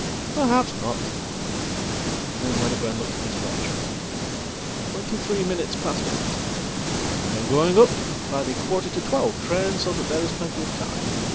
"Perhaps not." And then Wedderburn looked at his watch. "Twenty threeminutes past eight. I am going up by the quarter to twelve train, so thatthere is plenty of time.